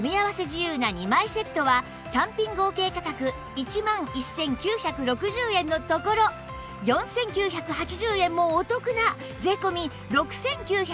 自由な２枚セットは単品合計価格１万１９６０円のところ４９８０円もお得な税込６９８０円